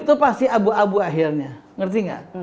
itu pasti abu abu akhirnya ngerti nggak